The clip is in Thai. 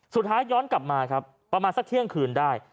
สุดท้ายย้อนกลับมาประมาณสักเชื่องคืนได้